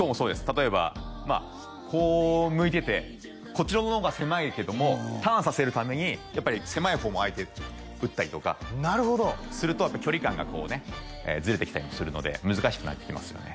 例えばまあこう向いててこっちのものが狭いけどもターンさせるためにやっぱり狭い方も相手打ったりとかすると距離感がこうねズレてきたりもするので難しくなってきますよね